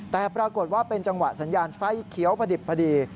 แต่ปรากฏว่าเป็นจังหวะสัญญาณไฟเขียวพอดิบพอดี